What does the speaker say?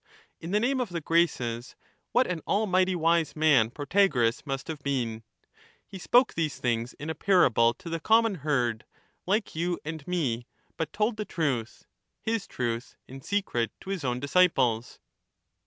In the name of the Graces, what an almighty wise man Protagoras must have been ! He spoke these things in aj)arable to the common herd, like you and me, but told the truth, ' his Truth V in secret to his own disciples.